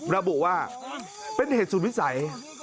ระบุว่าเป็นเหตุสุดวิสัย